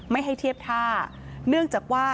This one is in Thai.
ไม่ให้เทียบท่าเนื่องจากว่า